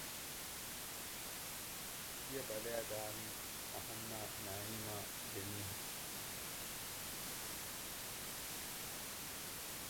ތިޔަ ބަލައި ދާނީ އަހަންނާއި ނަޢީމާ ދެ މީހުން